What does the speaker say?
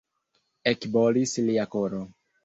Ekbolis lia koro.